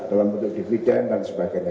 dalam bentuk dividen dan sebagainya